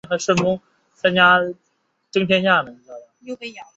这张专辑内的音乐影片还是由日本知名漫画家松本零士负责制作。